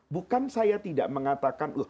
bukan saya tidak mengatakan